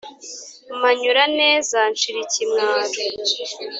Mpanyura neza nshira ikimwaro